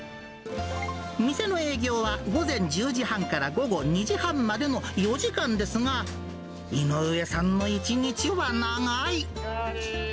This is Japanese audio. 店の営業は午前１０時半から午後２時半までの４時間ですが、井上さんの一日は長い。